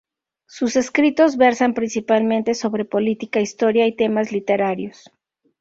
Sus escritos versan principalmente sobre política, historia y temas literarios.